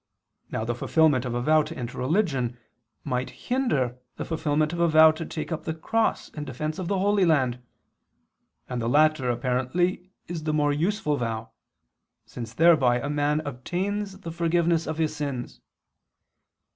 Now the fulfilment of a vow to enter religion might hinder the fulfilment of a vow to take up the cross in defense of the Holy Land; and the latter apparently is the more useful vow, since thereby a man obtains the forgiveness of his sins.